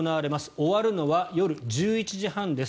終わるのは夜１１時半です。